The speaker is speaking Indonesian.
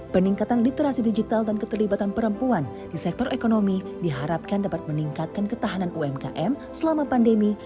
peningkatan literasi digital dan keterlibatan perempuan di sektor ekonomi diharapkan dapat meningkatkan ketahanan umkm selama pandemi